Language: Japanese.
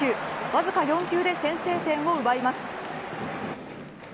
わずか４球で先制点を奪います。